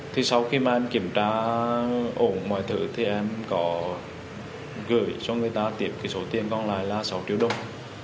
thì sau khi mà em kiểm tra ổn mọi thứ thì em có gửi cho người ta tiệm cái số tiền còn lại là sáu triệu đồng